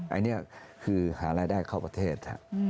อันนี้คือหารายได้เข้าประเทศ